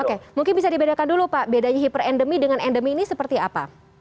oke mungkin bisa dibedakan dulu pak bedanya hyper endemik dengan endemik ini seperti apa